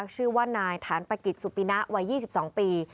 ชื่อว่านายฐานปะกิจสุปินะวัย๒๒ปี